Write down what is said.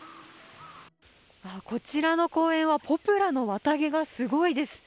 こちらの公園はポプラの綿毛がすごいです。